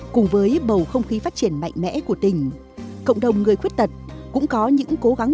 cùng với bầu không khí phát triển mạnh mẽ của tỉnh cộng đồng người khuyết tật cũng có những cố gắng